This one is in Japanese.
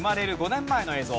５年前の映像。